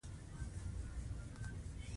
د ښادۍ ودونه یې شه،